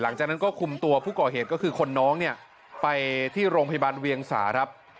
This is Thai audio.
หลังจากนั้นก็คุมตัวผู้ก่อเหตุก็คือคนน้องเนี่ยไปที่โรงพยาบาลเวียงสาครับ